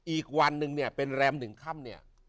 อีกวันนึงเนี่ยเป็นแรม๑ค่ำเนี่ย